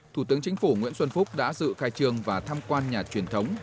thủ tướng chính phủ nguyễn xuân phúc đã dự khai trường và tham quan nhà truyền thống